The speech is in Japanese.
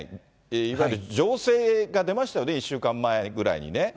いわゆる情勢が出ましたよね、１週間前ぐらいにね。